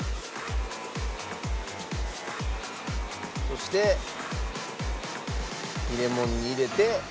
そして入れ物に入れて。